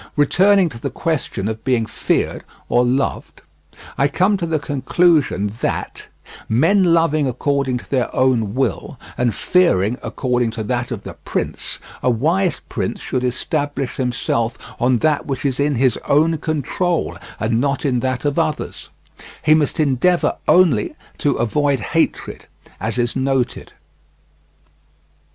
Returning to the question of being feared or loved, I come to the conclusion that, men loving according to their own will and fearing according to that of the prince, a wise prince should establish himself on that which is in his own control and not in that of others; he must endeavour only to avoid hatred, as is noted.